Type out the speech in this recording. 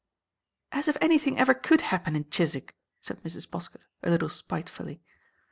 "As if anything ever could happen in Chiswick!" said Mrs. Poskett, a little spitefully.